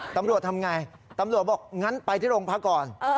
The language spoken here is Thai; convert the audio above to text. ตำรวจทำไงตำรวจบอกงั้นไปที่โรงพักก่อน